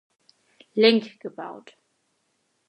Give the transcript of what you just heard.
Link gebaut.